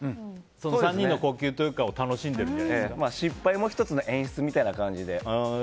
３人の光景というか失敗も１つの演出みたいな感じで。